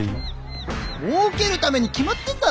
もうけるために決まってんだろ！